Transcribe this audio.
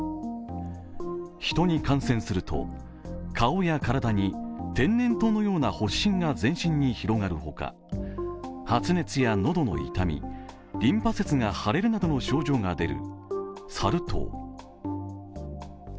ヒトに感染すると顔や体に天然痘のような発疹が全身に広がるほか、発熱や喉の痛み、リンパ節が腫れるなどの症状が出るサル痘。